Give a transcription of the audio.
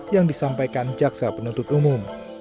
yang disampaikan jaksa penuntut umum